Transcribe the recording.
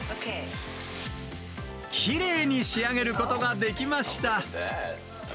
きれいに仕上げることができました。